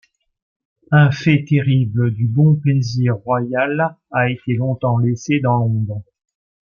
Un fait terrible du bon plaisir royal a été longtemps laissé dans l’ombre.